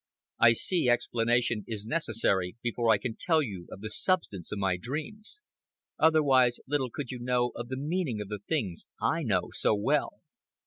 I see explanation is necessary before I can tell you of the substance of my dreams. Otherwise, little could you know of the meaning of the things I know so well.